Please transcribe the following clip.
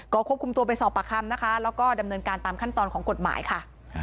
ก็ควบคุมตัวไปสอบประคำนะคะแล้วก็ดำเนินการตามขั้นตอนของกฎหมายค่ะ